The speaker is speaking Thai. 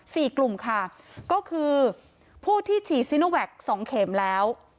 สี่กลุ่มค่ะก็คือผู้ที่ฉีดซีโนแวคสองเข็มแล้ว